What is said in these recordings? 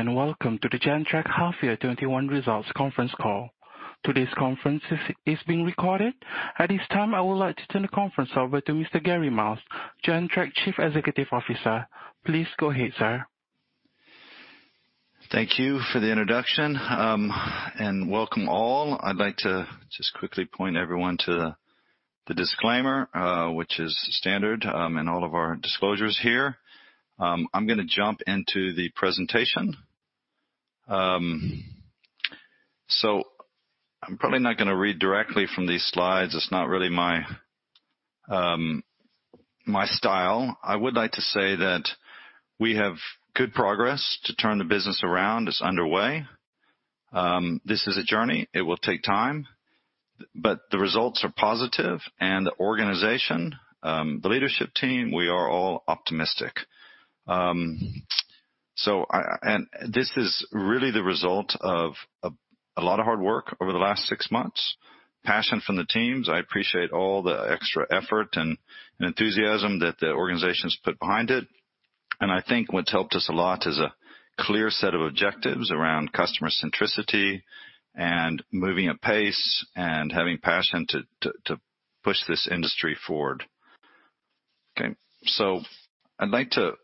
Good day. Welcome to the Gentrack half year 2021 results conference call. Today's conference is being recorded. At this time, I would like to turn the conference over to Mr. Gary Miles, Gentrack Chief Executive Officer. Please go ahead, sir. Thank you for the introduction, and welcome all. I'd like to just quickly point everyone to the disclaimer, which is standard in all of our disclosures here. I'm going to jump into the presentation. I'm probably not going to read directly from these slides. It's not really my style. I would like to say that we have good progress to turn the business around. It's underway. This is a journey. It will take time, but the results are positive, and the organization, the leadership team, we are all optimistic. This is really the result of a lot of hard work over the last six months, passion from the teams. I appreciate all the extra effort and enthusiasm that the organization's put behind it. I think what's helped us a lot is a clear set of objectives around customer centricity and moving at pace and having passion to push this industry forward. Okay. I'd like to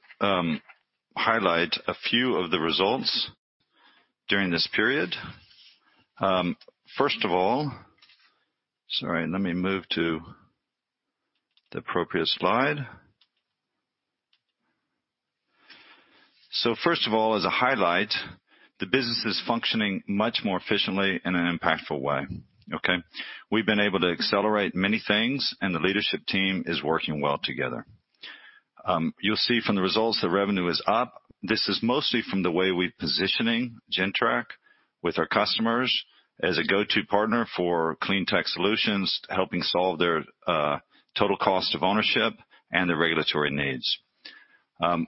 highlight a few of the results during this period. First of all, sorry, let me move to the appropriate slide. First of all, as a highlight, the business is functioning much more efficiently in an impactful way. Okay. We've been able to accelerate many things. The leadership team is working well together. You'll see from the results the revenue is up. This is mostly from the way we're positioning Gentrack with our customers as a go-to partner for cleantech solutions, helping solve their total cost of ownership and their regulatory needs.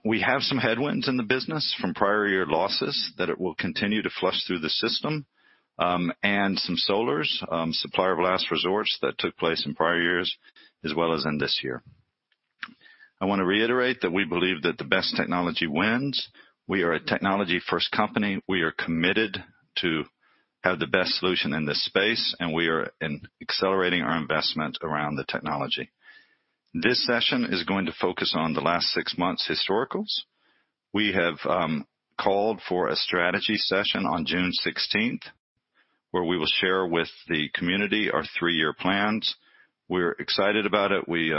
We have some headwinds in the business from prior year losses that it will continue to flush through the system, and some SOLRs, supplier of last resorts, that took place in prior years as well as in this year. I want to reiterate that we believe that the best technology wins. We are a technology-first company. We are committed to have the best solution in this space, and we are accelerating our investment around the technology. This session is going to focus on the last six months' historicals. We have called for a strategy session on June 16th, where we will share with the community our three-year plans. We're excited about it. We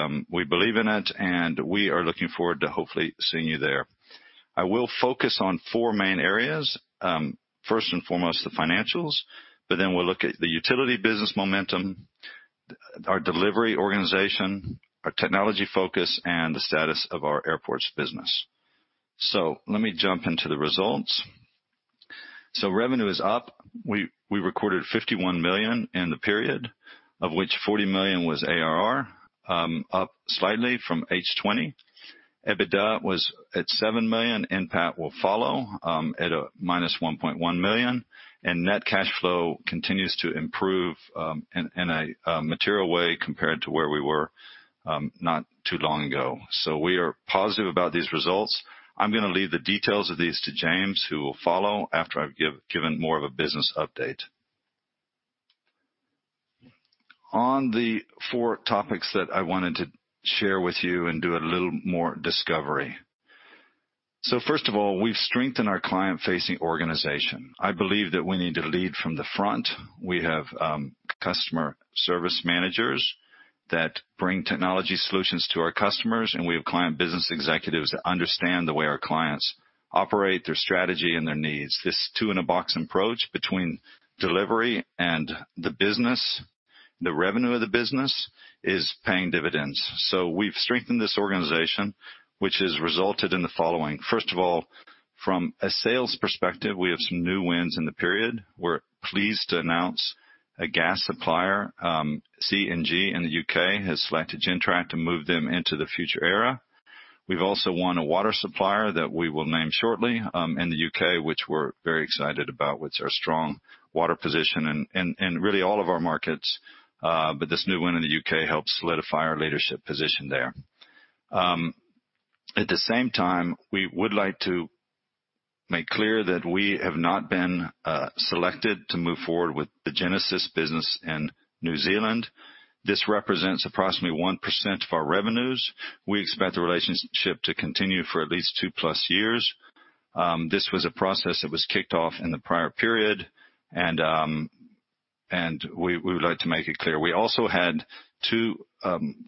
believe in it, and we are looking forward to hopefully seeing you there. I will focus on four main areas. First and foremost, the financials, but then we'll look at the utility business momentum, our delivery organization, our technology focus, and the status of our airports business. Let me jump into the results. Revenue is up. We recorded 51 million in the period, of which 40 million was ARR, up slightly from H2 2020. EBITDA was at 7 million. NPAT will follow at a -1.1 million, and net cash flow continues to improve in a material way compared to where we were not too long ago. We are positive about these results. I'm going to leave the details of these to James, who will follow after I've given more of a business update. On the four topics that I wanted to share with you and do a little more discovery. First of all, we've strengthened our client-facing organization. I believe that we need to lead from the front. We have customer service managers that bring technology solutions to our customers, and we have client business executives that understand the way our clients operate, their strategy, and their needs. This two-in-a-box approach between delivery and the business, the revenue of the business, is paying dividends. We've strengthened this organization, which has resulted in the following. First of all, from a sales perspective, we have some new wins in the period. We're pleased to announce a gas supplier, CNG in the U.K., has selected Gentrack to move them into the future era. We've also won a water supplier that we will name shortly, in the U.K., which we're very excited about, with our strong water position in really all of our markets. This new win in the U.K. helps solidify our leadership position there. At the same time, we would like to make clear that we have not been selected to move forward with the Genesis Energy business in New Zealand. This represents approximately 1% of our revenues. We expect the relationship to continue for at least 2+ years. This was a process that was kicked off in the prior period, and we would like to make it clear. We also had two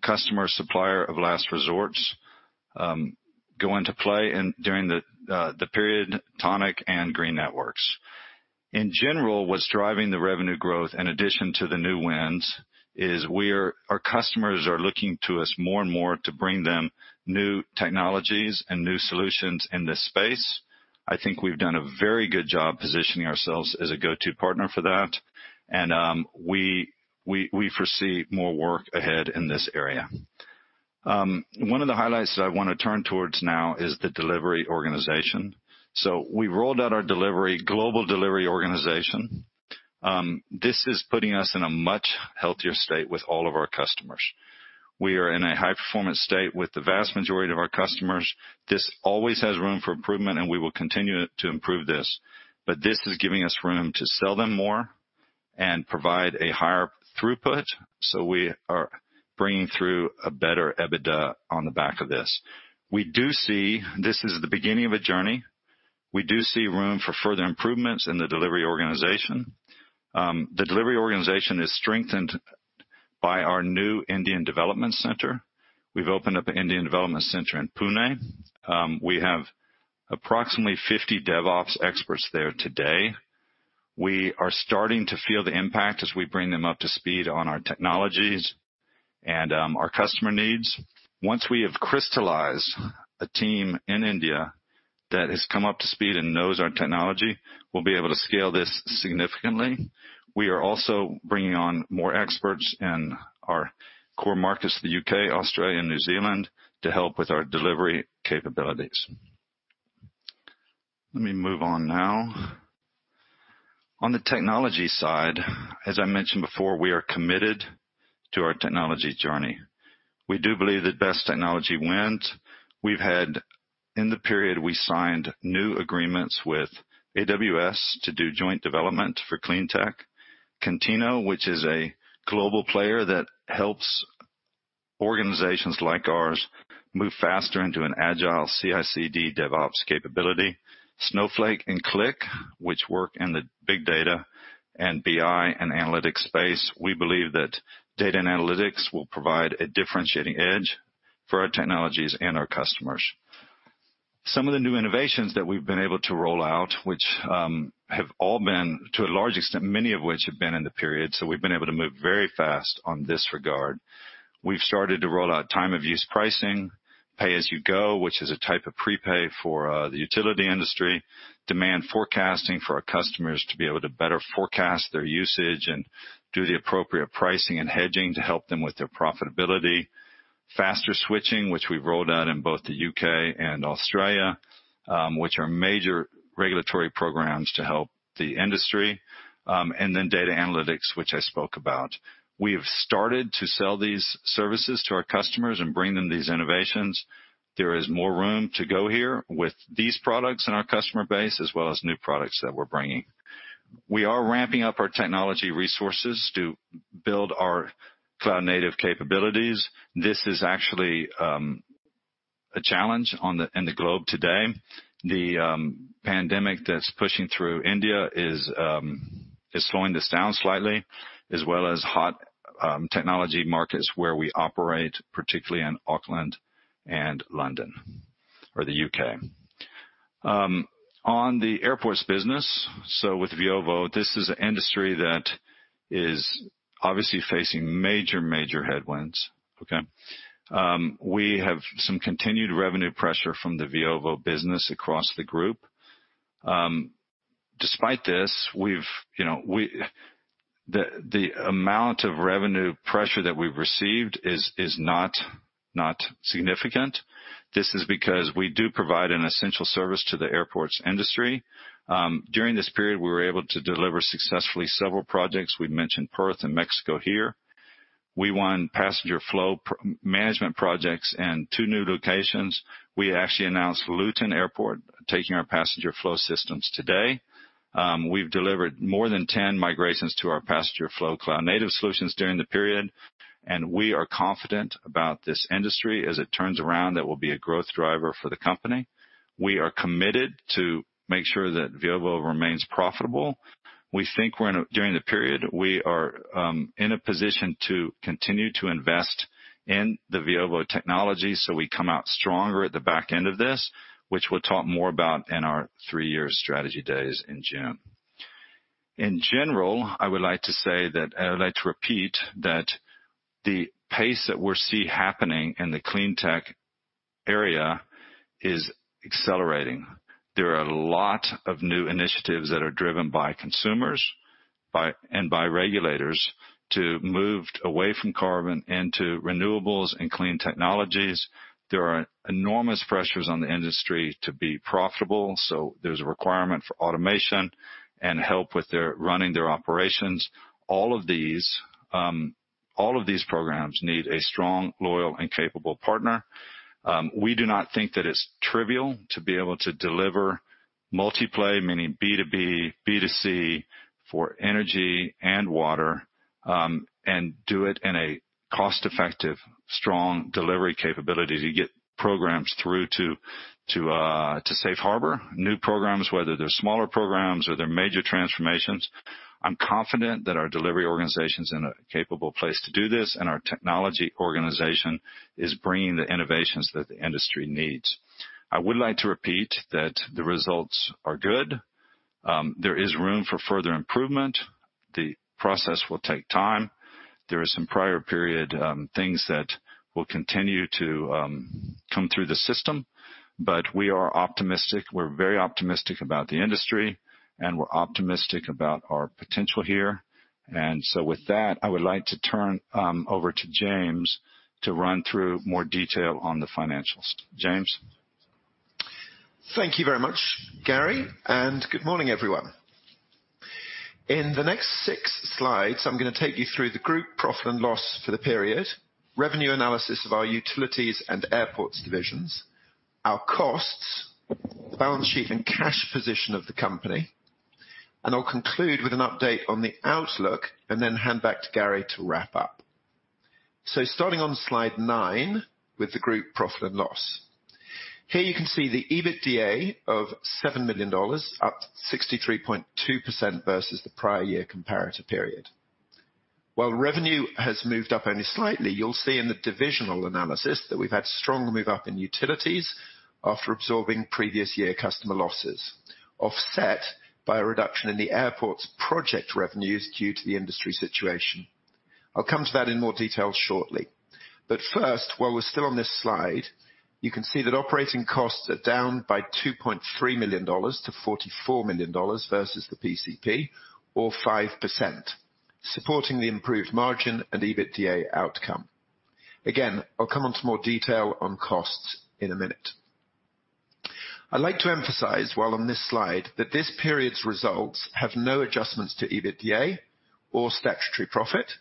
customer supplier of last resorts go into play during the period, Tonik Energy and Green Network Energy. In general, what's driving the revenue growth in addition to the new wins is our customers are looking to us more and more to bring them new technologies and new solutions in this space. I think we've done a very good job positioning ourselves as a go-to partner for that, and we foresee more work ahead in this area. One of the highlights that I want to turn towards now is the delivery organization. We've rolled out our global delivery organization. This is putting us in a much healthier state with all of our customers. We are in a high-performance state with the vast majority of our customers. This always has room for improvement, and we will continue to improve this. This is giving us room to sell them more and provide a higher throughput. We are bringing through a better EBITDA on the back of this. This is the beginning of a journey. We do see room for further improvements in the delivery organization. The delivery organization is strengthened by our new Indian development center. We've opened up an Indian development center in Pune. We have approximately 50 DevOps experts there today. We are starting to feel the impact as we bring them up to speed on our technologies and our customer needs. Once we have crystallized a team in India that has come up to speed and knows our technology, we'll be able to scale this significantly. We are also bringing on more experts in our core markets, the U.K., Australia, and New Zealand, to help with our delivery capabilities. Let me move on now. On the technology side, as I mentioned before, we are committed to our technology journey. We do believe that best technology wins. In the period, we signed new agreements with AWS to do joint development for cleantech. Contino, which is a global player that helps organizations like ours move faster into an agile CI/CD DevOps capability. Snowflake and Qlik, which work in the big data and BI and analytics space. We believe that data and analytics will provide a differentiating edge for our technologies and our customers. Some of the new innovations that we've been able to roll out, to a large extent, many of which have been in the period, so we've been able to move very fast on this regard. We've started to roll out time of use pricing, pay-as-you-go, which is a type of prepay for the utility industry, demand forecasting for our customers to be able to better forecast their usage and do the appropriate pricing and hedging to help them with their profitability, Faster Switching, which we've rolled out in both the U.K. and Australia, which are major regulatory programs to help the industry, and then data analytics, which I spoke about. We have started to sell these services to our customers and bring them these innovations. There is more room to go here with these products in our customer base, as well as new products that we're bringing. We are ramping up our technology resources to build our cloud-native capabilities. This is actually a challenge in the globe today. The pandemic that's pushing through India is slowing this down slightly, as well as hot technology markets where we operate, particularly in Auckland and London or the U.K. On the airports business, so with Veovo, this is an industry that is obviously facing major headwinds. Okay? We have some continued revenue pressure from the Veovo business across the group. Despite this, the amount of revenue pressure that we've received is not significant. This is because we do provide an essential service to the airports industry. During this period, we were able to deliver successfully several projects. We've mentioned Perth and Mexico here. We won passenger flow management projects in two new locations. We actually announced London Luton Airport taking our passenger flow systems today. We've delivered more than 10 migrations to our passenger flow cloud-native solutions during the period, and we are confident about this industry. As it turns around, that will be a growth driver for the company. We are committed to make sure that Veovo remains profitable. During the period, we are in a position to continue to invest in the Veovo technology so we come out stronger at the back end of this, which we'll talk more about in our three-year strategy days in June. In general, I would like to repeat that the pace that we're seeing happening in the cleantech area is accelerating. There are a lot of new initiatives that are driven by consumers and by regulators to move away from carbon into renewables and clean technologies. There are enormous pressures on the industry to be profitable, so there's a requirement for automation and help with running their operations. All of these programs need a strong, loyal, and capable partner. We do not think that it's trivial to be able to deliver multi-play, meaning B2B, B2C for energy and water, and do it in a cost-effective, strong delivery capability to get programs through to safe harbor. New programs, whether they're smaller programs or they're major transformations, I'm confident that our delivery organization's in a capable place to do this, and our technology organization is bringing the innovations that the industry needs. I would like to repeat that the results are good. There is room for further improvement. The process will take time. There is some prior period things that will continue to come through the system, but we are optimistic. We're very optimistic about the industry, and we're optimistic about our potential here. With that, I would like to turn over to James to run through more detail on the financials. James? Thank you very much, Gary. Good morning, everyone. In the next six slides, I'm going to take you through the group profit and loss for the period, revenue analysis of our utilities and airports divisions, our costs, balance sheet, and cash position of the company. I'll conclude with an update on the outlook and hand back to Gary to wrap up. Starting on slide nine with the group profit and loss. Here you can see the EBITDA of 7 million dollars, up 63.2% versus the prior year comparative period. While revenue has moved up only slightly, you'll see in the divisional analysis that we've had strong move-up in utilities after absorbing previous year customer losses, offset by a reduction in the airport's project revenues due to the industry situation. I'll come to that in more detail shortly. First, while we're still on this slide, you can see that operating costs are down by 2.3 million dollars to 44 million dollars versus the PCP, or 5%, supporting the improved margin and EBITDA outcome. Again, I'll come on to more detail on costs in a minute. I'd like to emphasize while on this slide that this period's results have no adjustments to EBITDA or statutory profit.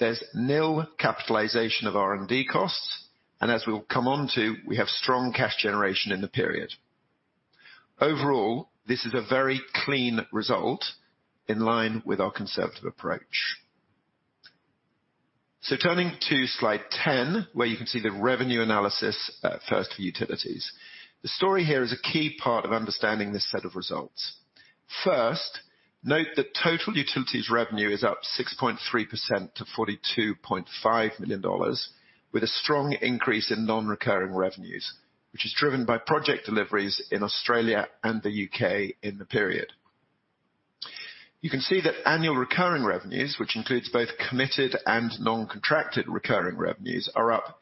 There's nil capitalization of R&D costs, and as we'll come onto, we have strong cash generation in the period. Overall, this is a very clean result in line with our conservative approach. Turning to slide 10, where you can see the revenue analysis at First Utilities. The story here is a key part of understanding this set of results. First, note that total utilities revenue is up 6.3% to 42.5 million dollars with a strong increase in non-recurring revenues, which is driven by project deliveries in Australia and the U.K. in the period. You can see that annual recurring revenues, which includes both committed and non-contracted recurring revenues, are up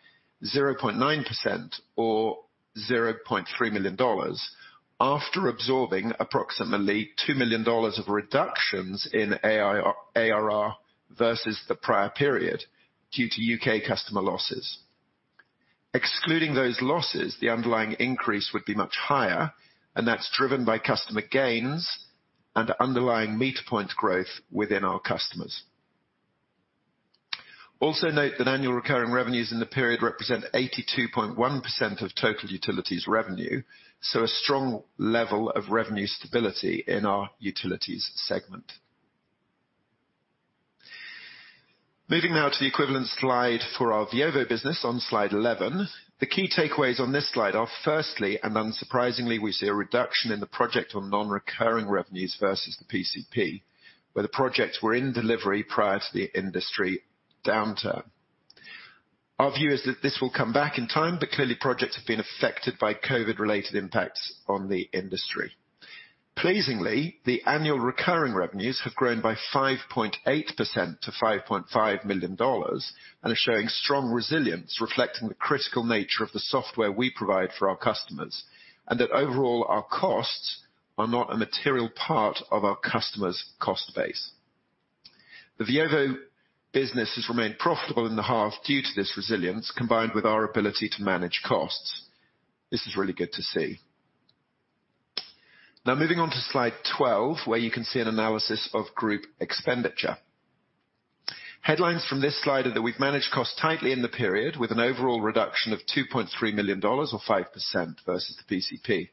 0.9% or 0.3 million dollars after absorbing approximately 2 million dollars of reductions in ARR versus the prior period due to U.K. customer losses. Excluding those losses, the underlying increase would be much higher, and that's driven by customer gains and underlying meter point growth within our customers. Also note that annual recurring revenues in the period represent 82.1% of total utilities revenue, so a strong level of revenue stability in our utilities segment. Moving now to the equivalent slide for our Veovo business on slide 11. The key takeaways on this slide are firstly, and unsurprisingly, we see a reduction in the project on non-recurring revenues versus the PCP, where the projects were in delivery prior to the industry downturn. Clearly projects have been affected by COVID-related impacts on the industry. Pleasingly, the annual recurring revenues have grown by 5.8% to 5.5 million dollars and are showing strong resilience, reflecting the critical nature of the software we provide for our customers, and that overall our costs are not a material part of our customers' cost base. The Veovo business has remained profitable in the half due to this resilience, combined with our ability to manage costs. This is really good to see. Moving on to slide 12, where you can see an analysis of group expenditure. Headlines from this slide are that we've managed costs tightly in the period with an overall reduction of 2.3 million dollars, or 5% versus the PCP.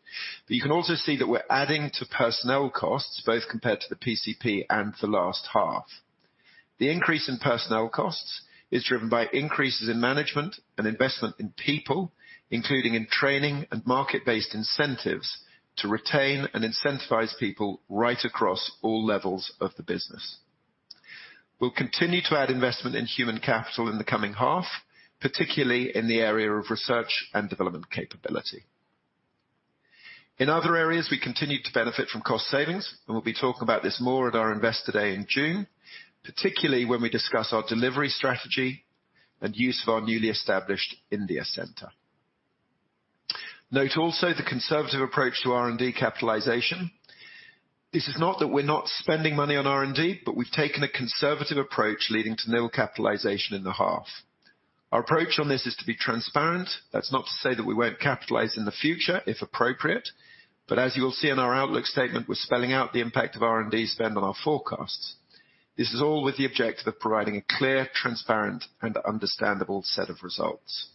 You can also see that we're adding to personnel costs both compared to the PCP and the last half. The increase in personnel costs is driven by increases in management and investment in people, including in training and market-based incentives to retain and incentivize people right across all levels of the business. We'll continue to add investment in human capital in the coming half, particularly in the area of research and development capability. In other areas, we continue to benefit from cost savings, and we'll be talking about this more at our Investor Day in June, particularly when we discuss our delivery strategy and use of our newly established India center. Note also the conservative approach to R&D capitalization. This is not that we're not spending money on R&D, but we've taken a conservative approach leading to nil capitalization in the half. Our approach on this is to be transparent. That's not to say that we won't capitalize in the future if appropriate, but as you'll see in our outlook statement, we're spelling out the impact of R&D spend on our forecasts. This is all with the objective of providing a clear, transparent, and understandable set of results.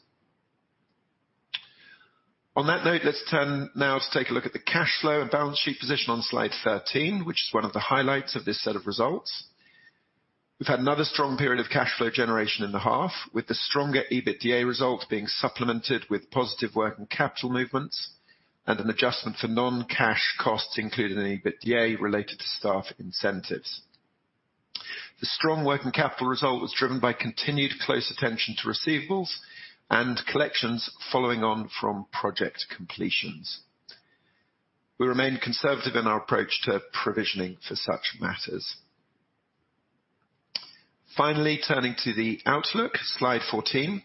On that note, let's turn now to take a look at the cash flow and balance sheet position on slide 13, which is one of the highlights of this set of results. We've had another strong period of cash flow generation in the half, with the stronger EBITDA result being supplemented with positive working capital movements and an adjustment for non-cash costs, including EBITDA related to staff incentives. The strong working capital result was driven by continued close attention to receivables and collections following on from project completions. We remain conservative in our approach to provisioning for such matters. Finally, turning to the outlook, slide 14.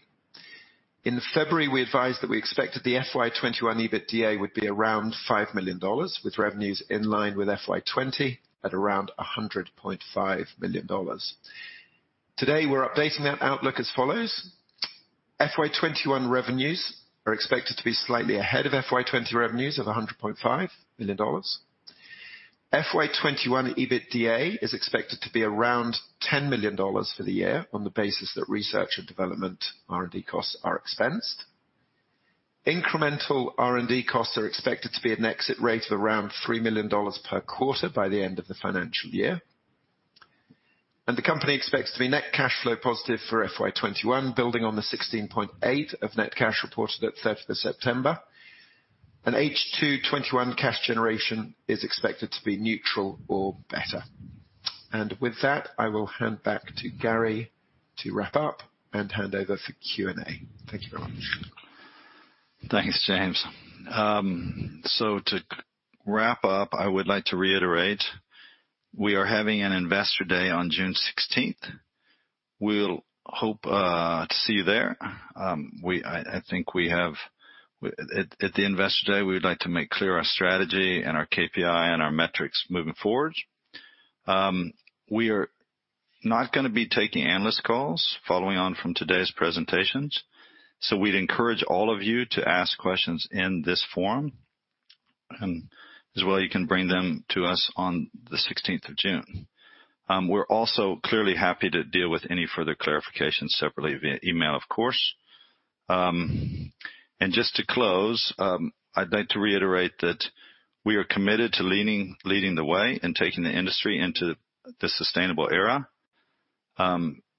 In February, we advised that we expected the FY 2021 EBITDA would be around 5 million dollars, with revenues in line with FY 2020 at around 100.5 million dollars. Today, we're updating that outlook as follows FY 2021 revenues are expected to be slightly ahead of FY 2020 revenues of 100.5 million dollars. FY 2021 EBITDA is expected to be around 10 million dollars for the year on the basis that research and development R&D costs are expensed. Incremental R&D costs are expected to be an exit rate of around 3 million dollars per quarter by the end of the financial year. The company expects to be net cash flow positive for FY 2021, building on the 16.8 of net cash reported at 30th of September. H2 2021 cash generation is expected to be neutral or better. With that, I will hand back to Gary to wrap up and hand over for Q&A. Thank you very much. Thanks, James. To wrap up, I would like to reiterate, we are having an investor day on June 16th. We'll hope to see you there. At the investor day, we'd like to make clear our strategy and our KPI and our metrics moving forward. We are not going to be taking analyst calls following on from today's presentations, so we'd encourage all of you to ask questions in this forum. This way, you can bring them to us on the 16th of June. We're also clearly happy to deal with any further clarification separately via email, of course. Just to close, I'd like to reiterate that we are committed to leading the way and taking the industry into the sustainable era.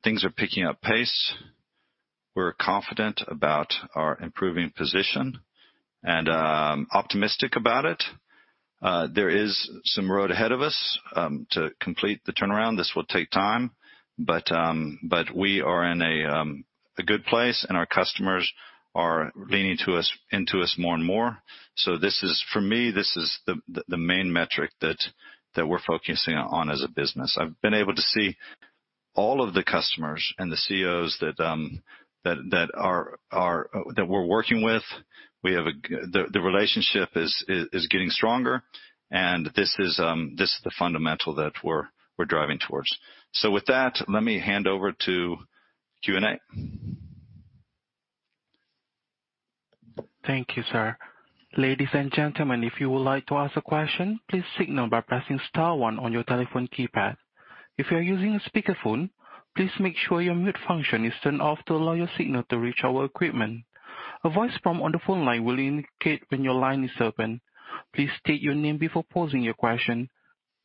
Things are picking up pace. We're confident about our improving position and optimistic about it. There is some road ahead of us to complete the turnaround. This will take time, but we are in a good place, and our customers are leaning into us more and more. For me, this is the main metric that we're focusing on as a business. I've been able to see all of the customers and the CEOs that we're working with. The relationship is getting stronger, and this is the fundamental that we're driving towards. With that, let me hand over to Q&A. Thank you, sir. Ladies and gentlemen, if you would like to ask a question, please signal by pressing star one on your telephone keypad. If you are using a speakerphone, please make sure your mute function is turned off to allow your signal to reach our equipment. A voice prompt on the phone line will indicate when your line is open. Please state your name before posing your question.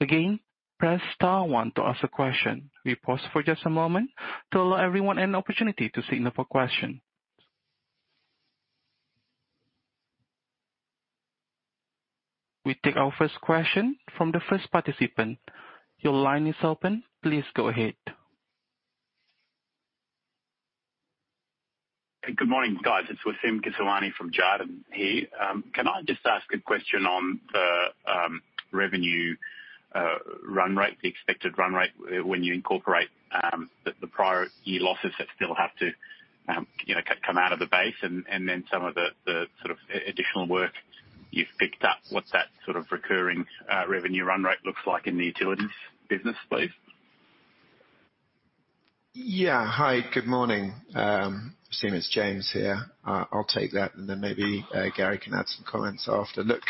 Again, press star one to ask a question. We pause for just a moment to allow everyone an opportunity to signal for a question. We take our first question from the first participant. Your line is open. Please go ahead. Good morning, guys. It's Wasim Kisirwani from Jarden here. Can I just ask a question on the revenue run rate, the expected run rate when you incorporate the prior year losses that still have to come out of the base and then some of the sort of additional work you've picked up. What's that sort of recurring revenue run rate looks like in the Utilities business, please? Yeah. Hi, good morning. Wasim, it's James here. I'll take that, and then maybe Gary can add some comments after. Look,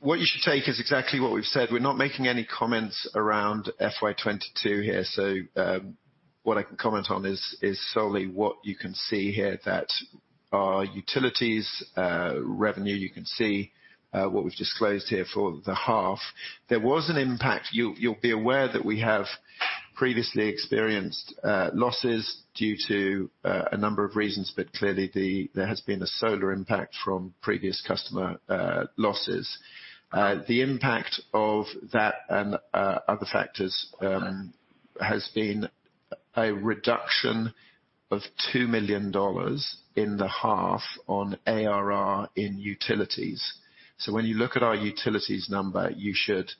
what you should take is exactly what we've said. We're not making any comments around FY 2022 here. What I can comment on is solely what you can see here, that our Utilities revenue, you can see what was disclosed here for the half. There was an impact. You'll be aware that we have previously experienced losses due to a number of reasons, but clearly there has been a SOLR impact from previous customer losses. The impact of that and other factors has been a reduction of 2 million dollars in the half on ARR in Utilities. When you look at our Utilities number, you should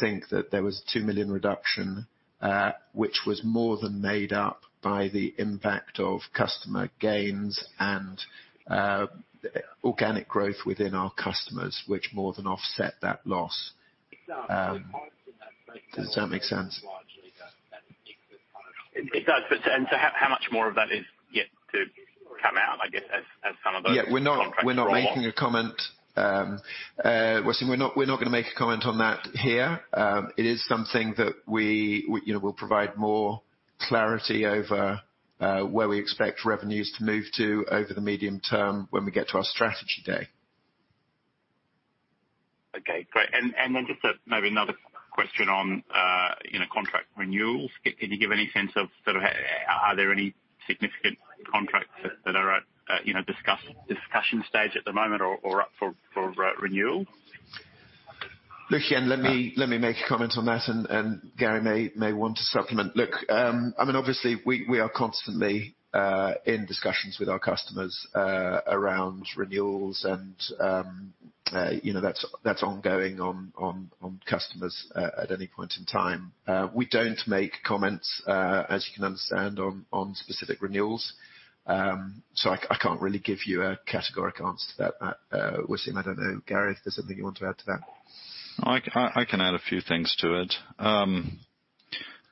think that there was a 2 million reduction, which was more than made up by the impact of customer gains and organic growth within our customers, which more than offset that loss. Exactly. Does that make sense? It does. How much more of that is yet to come out, I guess, as some of the contracts roll off? Yeah, we're not making a comment. Wasim, we're not going to make a comment on that here. It is something that we will provide more clarity over where we expect revenues to move to over the medium term when we get to our strategy day. Okay, great. Just maybe another question on contract renewals, can you give any sense of, are there any significant contracts that are at discussion stage at the moment or up for renewal? Wasim, let me make a comment on that, and Gary may want to supplement. Look, I mean, obviously, we are constantly in discussions with our customers around renewals, and that's ongoing on customers at any point in time. We don't make comments, as you can understand, on specific renewals. I can't really give you a categoric answer to that, Wasim. I don't know, Gary, if there's something you want to add to that. I can add a few things to it.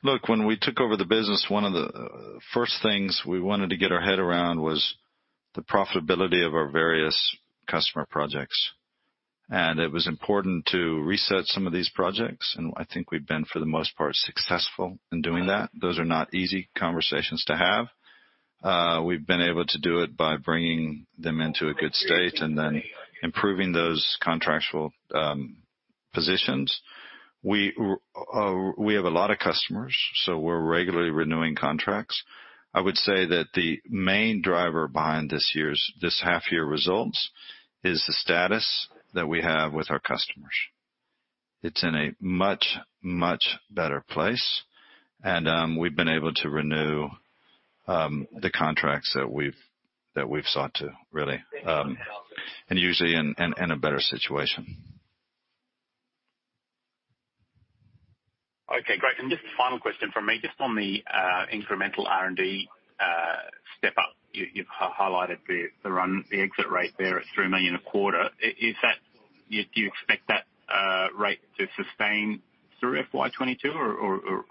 Look, when we took over the business, one of the first things we wanted to get our head around was the profitability of our various customer projects. It was important to reset some of these projects, and I think we've been, for the most part, successful in doing that. Those are not easy conversations to have. We've been able to do it by bringing them into a good state and then improving those contractual positions. We have a lot of customers, so we're regularly renewing contracts. I would say that the main driver behind this half year results is the status that we have with our customers. It's in a much, much better place. We've been able to renew the contracts that we've sought to, really, and usually in a better situation. Okay, great. Just the final question from me, just on the incremental R&D step up, you've highlighted the exit rate there at 3 million a quarter. Do you expect that rate to sustain through FY 2022, or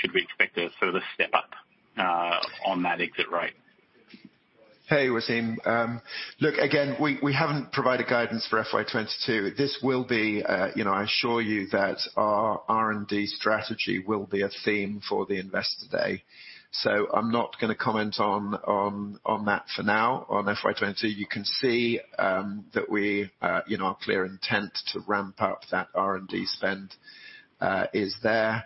should we expect a further step up on that exit rate? Hey, Wasim. Look, again, we haven't provided guidance for FY 2022. I assure you that our R&D strategy will be a theme for the investor day. I'm not going to comment on that for now. On FY 2020, you can see our clear intent to ramp up that R&D spend is there.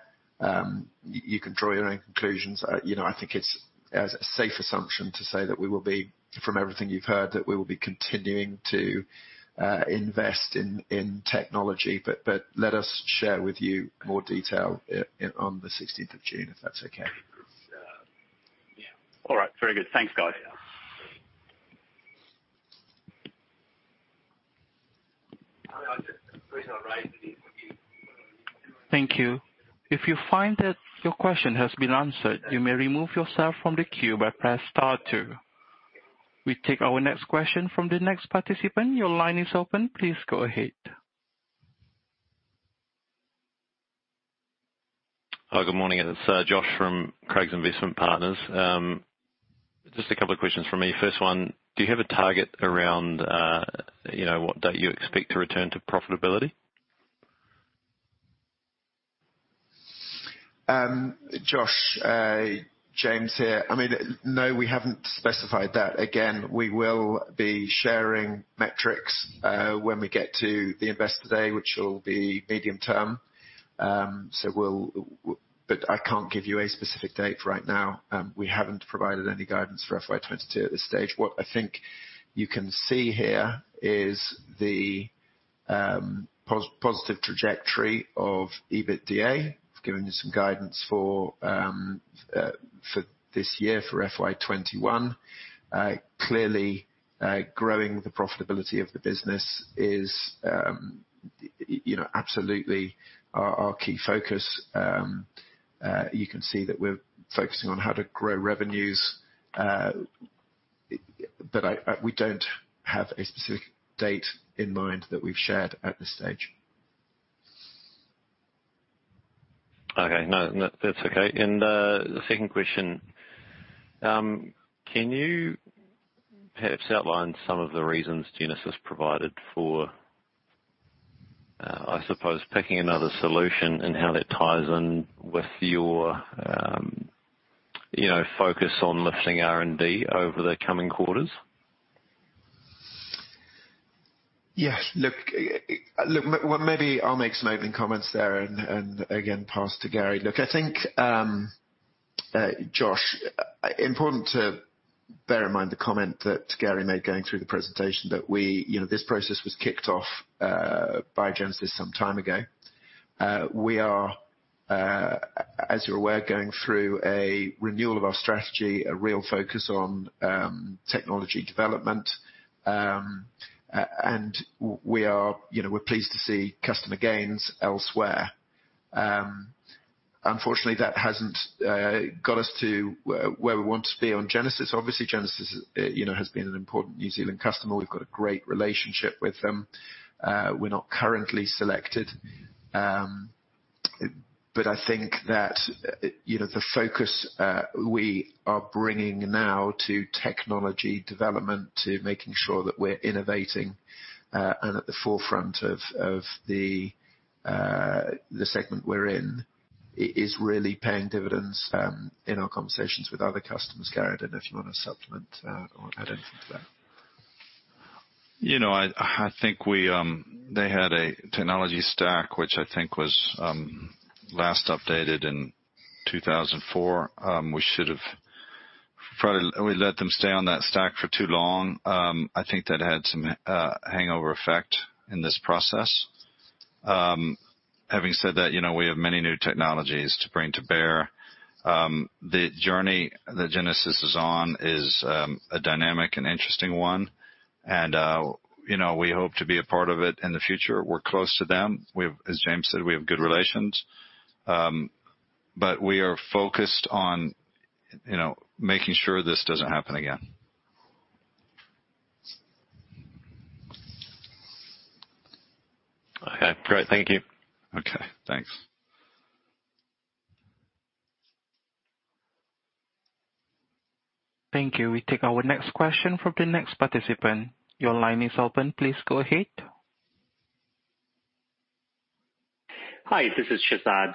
You can draw your own conclusions. I think it's a safe assumption to say that we will be, from everything you've heard, that we will be continuing to invest in technology. Let us share with you more detail on the 16th of June, if that's okay. All right. Very good. Thanks, guys. Thank you. If you find that your question has been answered, you may remove yourself from the queue by press star two. We take our next question from the next participant. Your line is open. Please go ahead. Hi, good morning. It's Josh from Craigs Investment Partners. Just a couple of questions from me. First one, do you have a target around what date you expect to return to profitability? Josh, James here. No, we haven't specified that. Again, we will be sharing metrics when we get to the investor day, which will be medium term. I can't give you a specific date right now. We haven't provided any guidance for FY 2022 at this stage. What I think you can see here is the positive trajectory of EBITDA, giving you some guidance for this year, for FY 2021. Clearly, growing the profitability of the business is absolutely our key focus. You can see that we're focusing on how to grow revenues. We don't have a specific date in mind that we've shared at this stage. Okay. No, that's okay. The second question, can you perhaps outline some of the reasons Genesis provided for, I suppose, picking another solution and how that ties in with your focus on lifting R&D over the coming quarters? Yes. Look, well, maybe I'll make some opening comments there, and again, pass to Gary. Look, I think, Josh, important to bear in mind the comment that Gary made going through the presentation that this process was kicked off by Genesis some time ago. We are, as you're aware, going through a renewal of our strategy, a real focus on technology development. We're pleased to see customer gains elsewhere. Unfortunately, that hasn't got us to where we want to be on Genesis. Obviously, Genesis has been an important New Zealand customer. We've got a great relationship with them. We're not currently selected. I think that the focus we are bringing now to technology development, to making sure that we're innovating and at the forefront of the segment we're in, is really paying dividends in our conversations with other customers. Gary, I don't know if you want to supplement or add anything to that. I think they had a technology stack, which I think was last updated in 2004. We let them stay on that stack for too long. I think that had some hangover effect in this process. Having said that, we have many new technologies to bring to bear. The journey that Genesis Energy is on is a dynamic and interesting one, and we hope to be a part of it in the future. We're close to them. As James said, we have good relations. We are focused on making sure this doesn't happen again. Okay, great. Thank you. Okay, thanks. Thank you. We take our next question from the next participant. Your line is open. Please go ahead. Hi, this is Shezad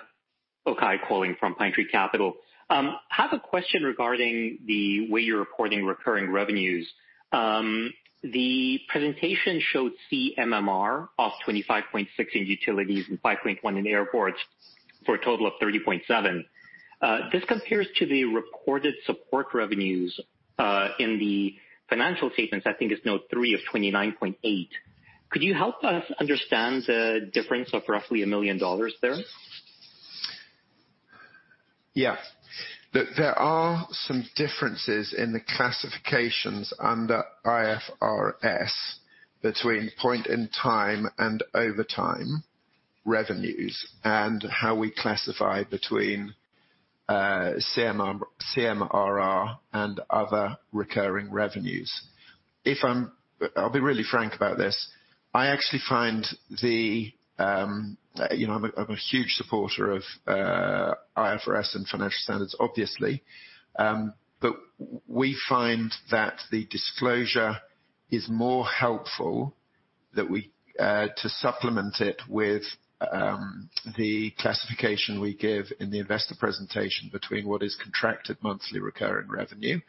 Okhai calling from Pine Tree Capital. I have a question regarding the way you're recording recurring revenues. The presentation showed CMRR of 25.6 in utilities and 5.1 in airports for a total of 30.7. This compares to the recorded support revenues, in the financial statements, I think it's note three of 29.8. Could you help us understand the difference of roughly 1 million dollars there? Look, there are some differences in the classifications under IFRS between point in time and overtime revenues and how we classify between CMRR and other recurring revenues. I'll be really frank about this. I'm a huge supporter of IFRS and financial standards, obviously. We find that the disclosure is more helpful to supplement it with the classification we give in the investor presentation between what is contracted monthly recurring revenue,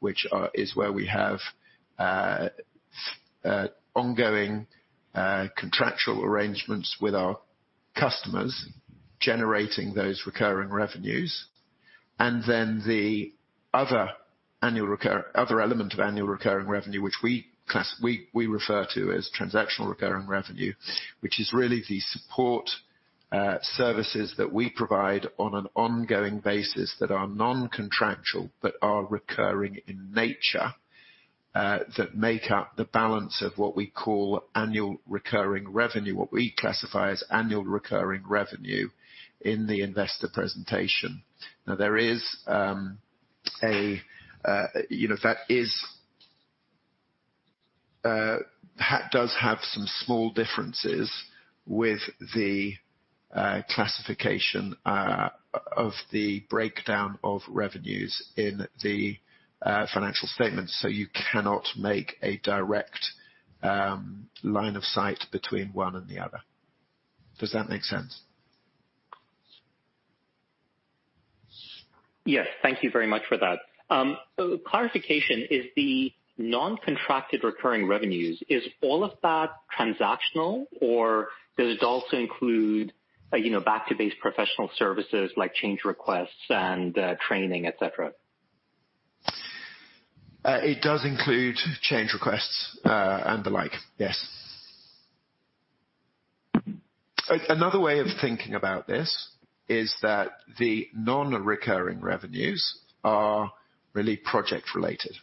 which is where we have ongoing contractual arrangements with our customers generating those recurring revenues. The other element of annual recurring revenue, which we refer to as transactional recurring revenue, which is really the support services that we provide on an ongoing basis that are non-contractual, but are recurring in nature, that make up the balance of what we call annual recurring revenue, what we classify as annual recurring revenue in the investor presentation. That does have some small differences with the classification of the breakdown of revenues in the financial statements. You cannot make a direct line of sight between one and the other. Does that make sense? Yes. Thank you very much for that. Clarification, if the non-contracted recurring revenues, is all of that transactional, or does it also include, back to base professional services like change requests and training, et cetera? It does include change requests and the like, yes. Another way of thinking about this is that the non-recurring revenues are really project-related.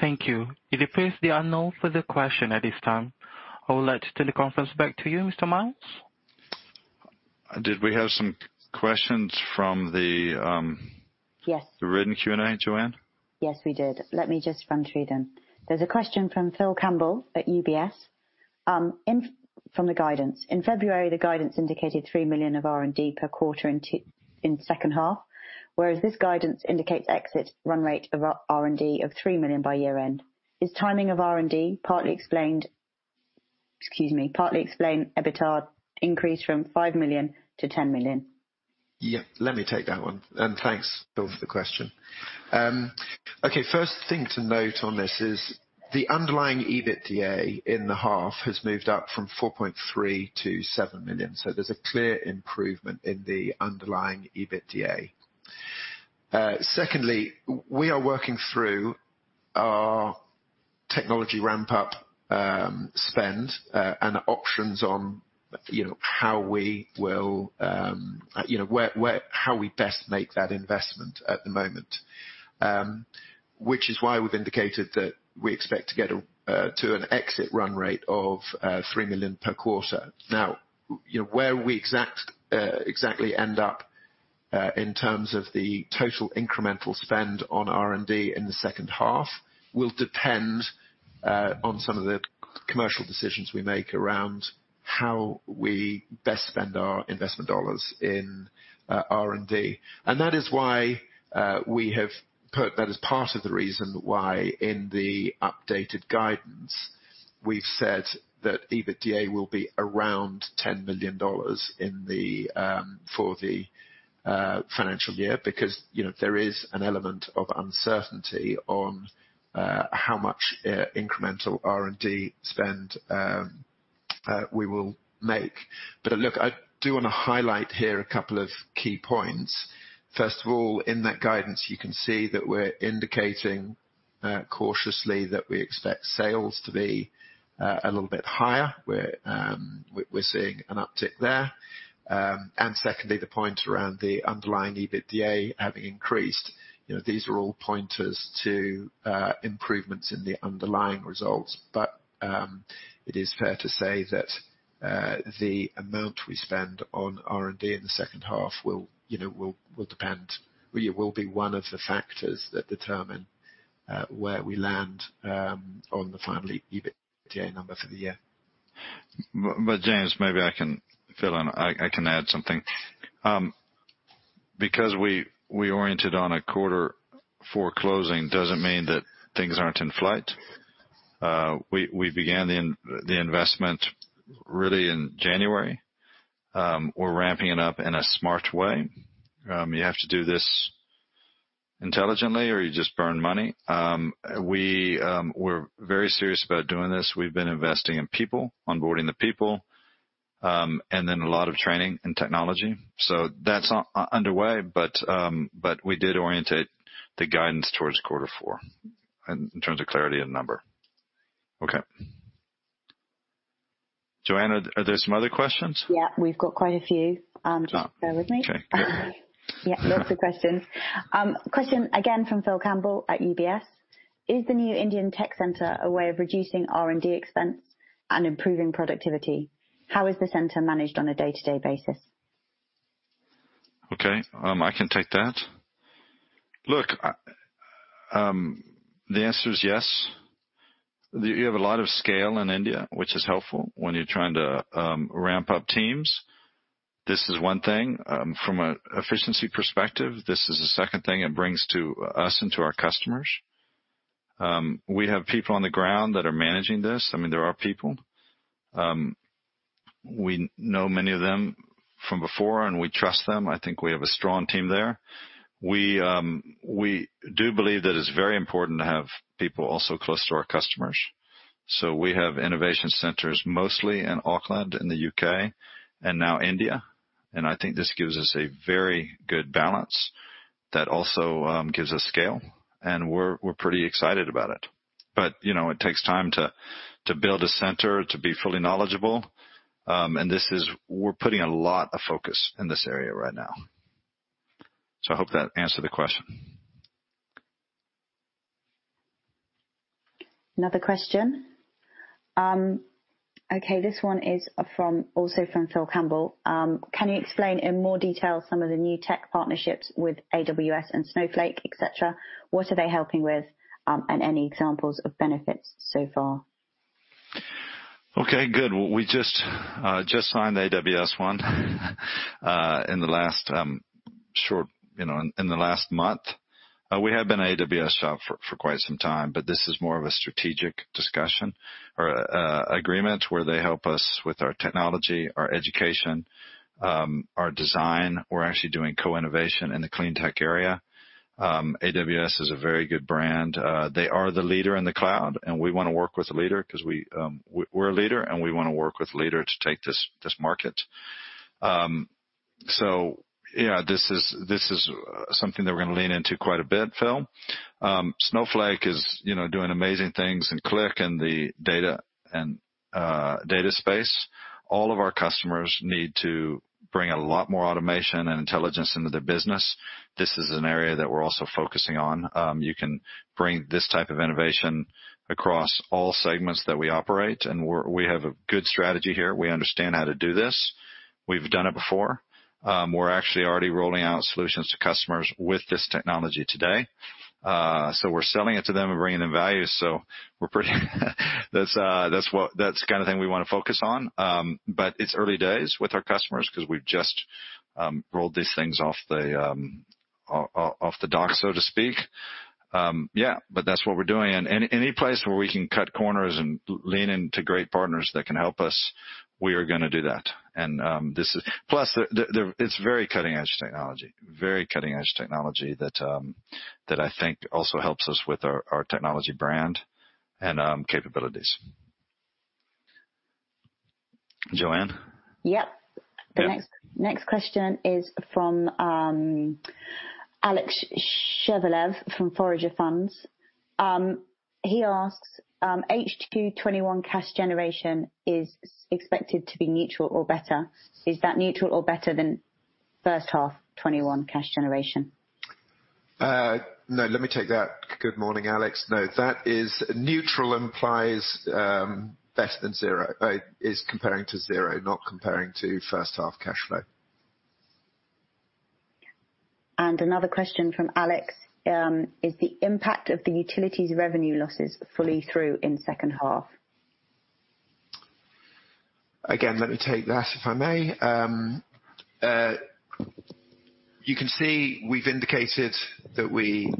Thank you. It appears the unknown for the question at this time. I will hand the conference back to you, Mr. Miles. Did we have some questions? Yes. The written Q&A, Joanne? Yes, we did. Let me just run through them. There's a question from Phil Campbell at UBS. From the guidance. In February, the guidance indicated 3 million of R&D per quarter in second half, whereas this guidance indicates exit run rate of R&D of 3 million by year-end. Is timing of R&D partly explained EBITDA increase from 5 million to 10 million? Yeah, let me take that one. Thanks, Phil, for the question. Okay. First thing to note on this is the underlying EBITDA in the half has moved up from 4.3 million to 7 million. Secondly, we are working through our technology ramp-up spend and options on how we best make that investment at the moment, which is why we've indicated that we expect to get to an exit run rate of 3 million per quarter. Where we exactly end up, in terms of the total incremental spend on R&D in the second half will depend on some of the commercial decisions we make around how we best spend our investment dollars in R&D. That is why we have put that as part of the reason why in the updated guidance, we've said that EBITDA will be around 10 million dollars for the financial year, because there is an element of uncertainty on how much incremental R&D spend we will make. Look, I do want to highlight here a couple of key points. First of all, in that guidance, you can see that we're indicating cautiously that we expect sales to be a little bit higher, we're seeing an uptick there. Secondly, the point around the underlying EBITDA having increased. These are all pointers to improvements in the underlying results. It is fair to say that the amount we spend on R&D in the second half will depend. It will be one of the factors that determine where we land on the final EBITDA number for the year. James, maybe I can fill in. I can add something. Because we oriented on a quarter four closing doesn't mean that things aren't in flight. We began the investment really in January. We're ramping it up in a smart way. You have to do this intelligently or you just burn money. We're very serious about doing this. We've been investing in people, onboarding the people, and then a lot of training and technology. That's underway, but we did orientate the guidance towards quarter four in terms of clarity of the number. Okay. Joanne, are there some other questions? Yeah, we've got quite a few. Bear with me. Okay. Yeah, lots of questions. Question again from Phil Campbell at UBS. Is the new Indian tech center a way of reducing R&D expense and improving productivity? How is the center managed on a day-to-day basis? Okay, I can take that. The answer is yes. You have a lot of scale in India, which is helpful when you're trying to ramp up teams. This is one thing from an efficiency perspective. This is the second thing it brings to us and to our customers. We have people on the ground that are managing this. There are people. We know many of them from before and we trust them. I think we have a strong team there. We do believe that it's very important to have people also close to our customers. We have innovation centers mostly in Auckland and the U.K. and now India. I think this gives us a very good balance that also gives us scale and we're pretty excited about it. It takes time to build a center to be fully knowledgeable. We're putting a lot of focus in this area right now. I hope that answered the question. Another question. Okay, this one is also from Phil Campbell. Can you explain in more detail some of the new tech partnerships with AWS and Snowflake, et cetera? What are they helping with? Any examples of benefits so far? Good. We just signed the AWS one in the last month. We have been AWS shop for quite some time, but this is more of a strategic discussion or agreement where they help us with our technology, our education, our design. We are actually doing co-innovation in the cleantech area. AWS is a very good brand. They are the leader in the cloud, and we want to work with a leader because we are a leader and we want to work with a leader to take this market. Yeah, this is something that we are going to lean into quite a bit, Phil. Snowflake is doing amazing things in Qlik in the data and data space. All of our customers need to bring a lot more automation and intelligence into the business. This is an area that we are also focusing on. You can bring this type of innovation across all segments that we operate and we have a good strategy here. We understand how to do this. We've done it before. We're actually already rolling out solutions to customers with this technology today. We're selling it to them and bringing them value. That's the kind of thing we want to focus on. It's early days with our customers because we've just rolled these things off the dock, so to speak. Yeah, that's what we're doing. Any place where we can cut corners and lean into great partners that can help us, we are going to do that. Plus it's very cutting edge technology that I think also helps us with our technology brand and capabilities. Joanne? Yep. Good. Next question is from Alex Shevelev from Forager Funds. He asks, H2 2021 cash generation is expected to be neutral or better. Is that neutral or better than first half 2021 cash generation? No, let me take that. Good morning, Alex. No, that is neutral implies less than zero. It is comparing to zero, not comparing to first half cash flow. Another question from Alex. Is the impact of the utilities revenue losses fully through in second half? Again, let me take that if I may. You can see we've indicated that we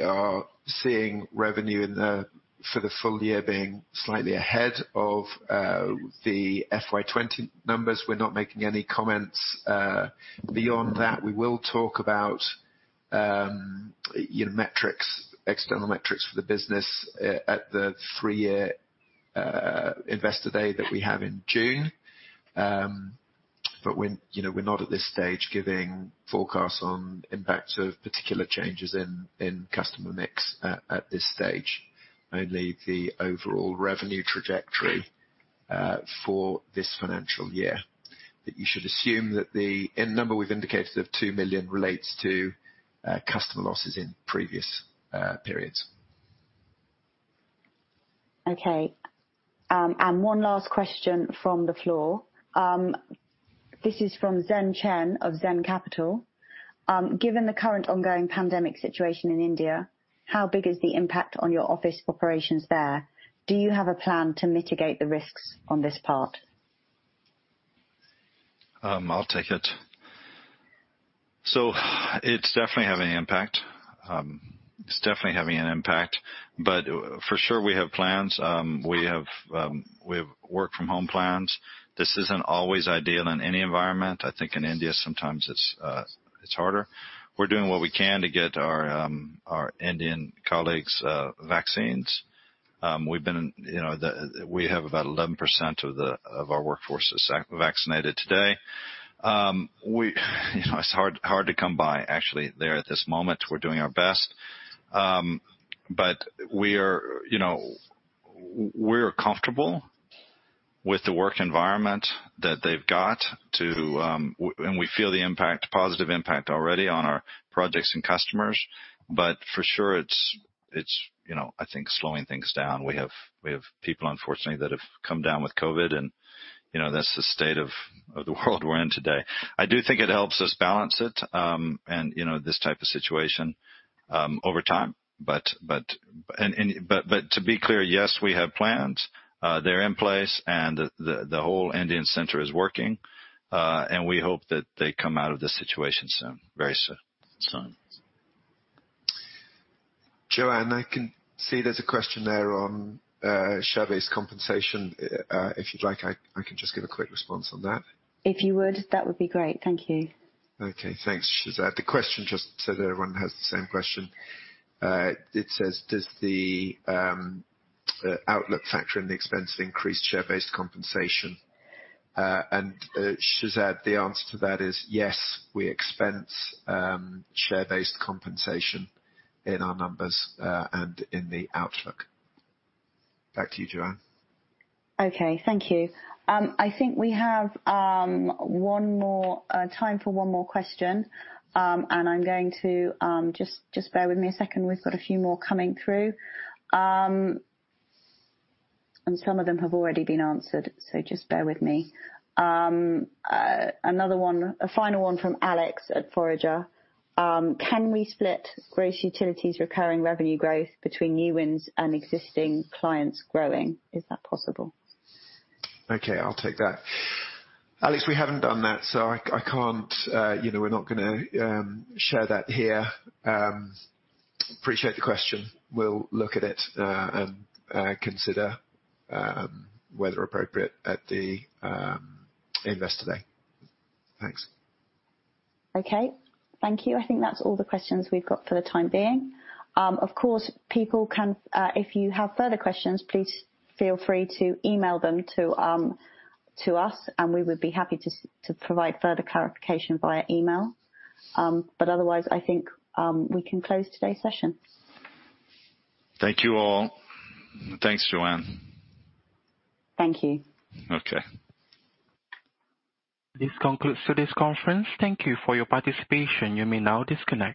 are seeing revenue for the full year being slightly ahead of the FY 2020 numbers. We're not making any comments beyond that. We will talk about external metrics for the business at the three-year Investor Day that we have in June. We're not at this stage giving forecasts on impact of particular changes in customer mix at this stage, only the overall revenue trajectory for this financial year. That you should assume that the number we've indicated of 2 million relates to customer losses in previous periods. Okay. One last question from the floor. This is from Zhen Chen of Zen Capital. Given the current ongoing pandemic situation in India, how big is the impact on your office operations there? Do you have a plan to mitigate the risks on this part? I'll take it. It's definitely having an impact. For sure we have plans. We have work from home plans. This isn't always ideal in any environment. I think in India sometimes it's harder. We're doing what we can to get our Indian colleagues vaccines. We have about 11% of our workforce is vaccinated today. It's hard to come by actually there at this moment. We're doing our best. We are comfortable with the work environment that they've got, and we feel the positive impact already on our projects and customers. For sure, it's I think slowing things down. We have people unfortunately that have come down with COVID and that's the state of the world we're in today. I do think it helps us balance it and this type of situation over time. To be clear, yes, we have plans. They're in place and the whole Indian center is working. We hope that they come out of this situation soon. Very soon. Joanne, I can see there's a question there on share-based compensation. If you'd like, I can just give a quick response on that. If you would, that would be great. Thank you. Okay, thanks, Shezad. The question, just so everyone has the same question, it says, "Does the outlook factor in the expense of increased share-based compensation?" Shezad, the answer to that is yes, we expense share-based compensation in our numbers and in the outlook. Back to you, Joanne. Okay, thank you. I think we have time for one more question, just bear with me a second. We've got a few more coming through. Some of them have already been answered, so just bear with me. A final one from Alex at Forager. Can we split gross utilities recurring revenue growth between new wins and existing clients growing? Is that possible? I'll take that. Alex, we haven't done that, so we're not going to share that here. We appreciate the question. We'll look at it and consider whether appropriate at the Investor Day. Thank you. Okay, thank you. I think that's all the questions we've got for the time being. Of course, if you have further questions, please feel free to email them to us and we would be happy to provide further clarification via email. Otherwise, I think we can close today's session. Thank you all. Thanks, Joanne. Thank you. Okay. This concludes today's conference. Thank you for your participation. You may now disconnect.